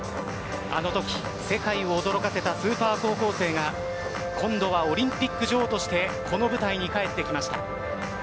あのとき世界を驚かせたスーパー高校生が今度はオリンピック女王としてこの舞台に帰ってきました。